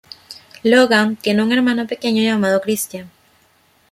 Logan tiene un hermano pequeño llamado Christian.